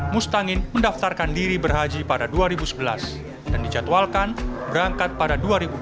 mustangin mendaftarkan diri berhaji pada dua ribu sebelas dan dijadwalkan berangkat pada dua ribu dua puluh